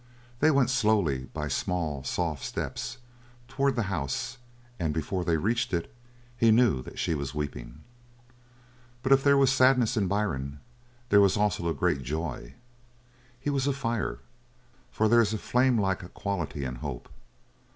They went slowly, by small, soft steps, towards the house, and before they reached it, he knew that she was weeping. But if there was sadness in Byrne, there was also a great joy. He was afire, for there is a flamelike quality in hope.